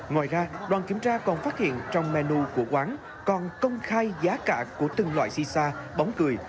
ngoài ra đoàn kiểm tra còn phát hiện trong menu của quán còn công khai giá cả của từng loại sisa bóng cười